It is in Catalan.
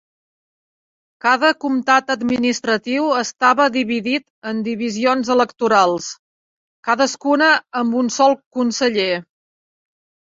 Cada comtat administratiu estava dividit en divisions electorals, cadascuna amb un sol conseller.